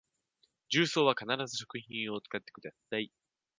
重曹は必ず食品用を使ってください